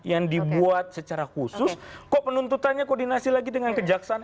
yang dibuat secara khusus kok penuntutannya koordinasi lagi dengan kejaksaan